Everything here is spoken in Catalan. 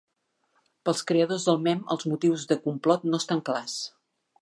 Pels creadors del mem els motius de complot no estan clars.